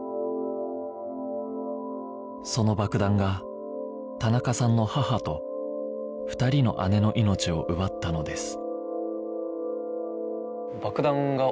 その爆弾が田中さんの母と２人の姉の命を奪ったのです